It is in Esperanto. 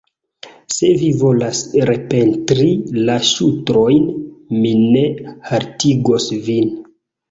Se vi volas repentri la ŝutrojn, mi ne haltigos vin.